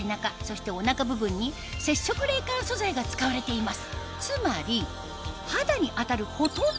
そしてお腹部分に接触冷感素材が使われています